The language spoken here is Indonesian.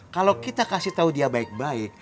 kalau kita kasih tahu dia baik baik